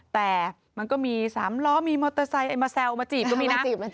แต่มันก็มี๓ล้อมีมอเตอร์ไซค์มาแซวมาจีบก็มีนะ